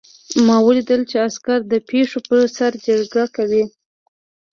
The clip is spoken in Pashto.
ما ولیدل چې عسکر د پیشو په سر جګړه کوي